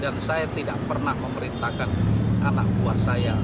dan saya tidak pernah memerintahkan anak buah saya